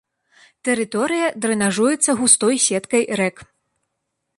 Тэрыторыя дрэнажуецца густой сеткай рэк.